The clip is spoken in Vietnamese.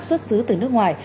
xuất xứ từ nước ngoài